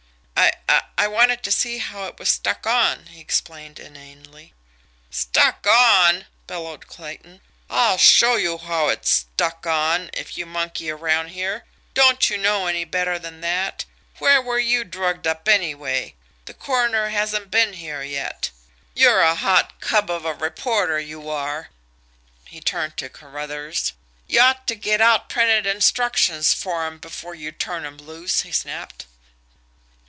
"I I wanted to see how it was stuck on," he explained inanely. "Stuck on!" bellowed Clayton. "I'll show you how it's STUCK on, if you monkey around here! Don't you know any better than that! Where were you dragged up anyway? The coroner hasn't been here yet. You're a hot cub of a reporter, you are!" He turned to Carruthers. "Y'ought to get out printed instructions for 'em before you turn 'em loose!" he snapped.